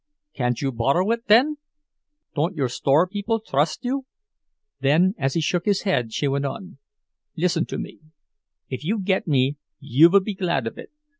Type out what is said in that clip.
"Can't you borrow it, den? Don't your store people trust you?" Then, as he shook his head, she went on: "Listen to me—if you git me you vill be glad of it.